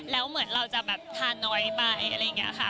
แล้วเหมือนเราจะแบบทานน้อยไปอะไรอย่างนี้ค่ะ